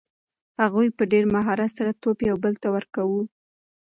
هغوی په ډېر مهارت سره توپ یو بل ته ورکاوه.